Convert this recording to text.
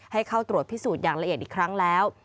ให้เข้าตรวจพิสูจน์อย่างละเอียดอีกครั้งแล้ว